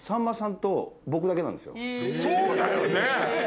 そうだよね！